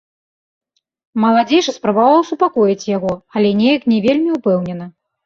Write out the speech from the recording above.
Маладзейшы спрабаваў супакоіць яго, але неяк не вельмі ўпэўнена.